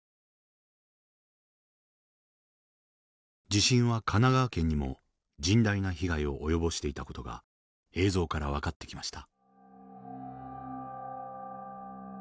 地震は神奈川県にも甚大な被害を及ぼしていた事が映像から分かってきました。